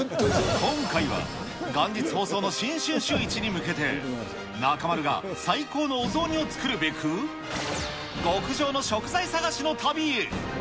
今回は元日放送の新春シューイチに向けて、中丸が最高のお雑煮を作るべく、極上の食材探しの旅へ。